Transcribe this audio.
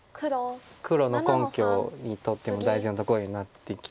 黒の根拠にとっても大事なところになってきて。